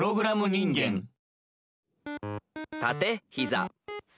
「たてひざ」。